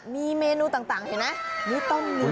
มีเมนูต่างอยู่นะ